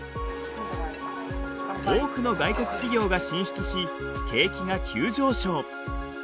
多くの外国企業が進出し景気が急上昇。